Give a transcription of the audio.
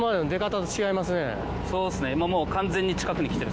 そうっすね。